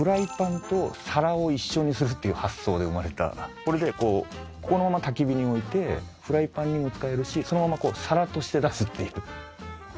これでこうこのまま焚き火に置いてフライパンにも使えるしそのまま皿として出すっていう事で。